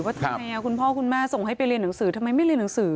ว่าทำไมคุณพ่อคุณแม่ส่งให้ไปเรียนหนังสือทำไมไม่เรียนหนังสือ